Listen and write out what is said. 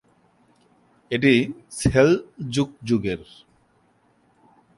এটি সেলজুক যুগের।